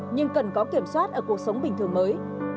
nhưng cần có kiểm soát ở cuộc sống bình thường mới